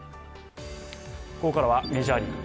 ここからはメジャーリーグ。